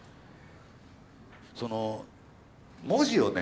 その文字をね